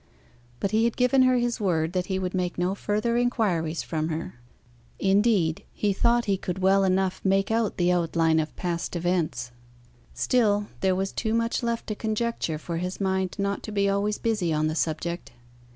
But he had given her his word that he would make no further inquiries from her. Indeed, he thought he could well enough make out the outline of past events; still, there was too much left to conjecture for his mind not to be always busy on the subject.